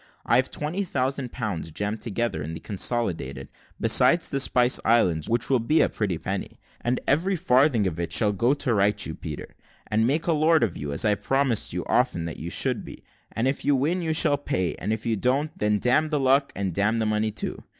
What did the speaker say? I have twenty thousand pounds jammed together in the consolidated, besides the Spice Islands, which will be a pretty penny; and every farthing of it shall go to right you, Peter, and make a lord of you, as I promised you often that you should be; and if you win you shall pay, and if you don't, then damn the luck and damn the money too.